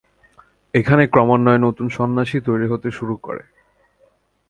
এখানে ক্রমান্বয়ে নতুন সন্ন্যাসী তৈরি হতে শুরু করে।